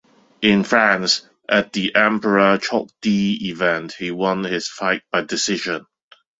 In France at the Emperor Chok Dee event he won his fight by decision.